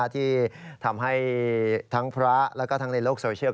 ที่ทำให้ทั้งพระแล้วก็ทั้งในโลกโซเชียล